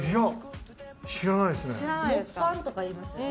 モッパンとか言いますよね。